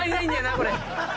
これ。